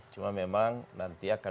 cuma memang nanti akan